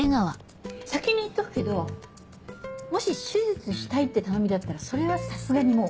先に言っとくけどもし手術したいって頼みだったらそれはさすがにもう。